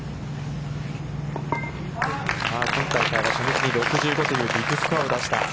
今大会は、初日に６５という、ビッグスコアを出した。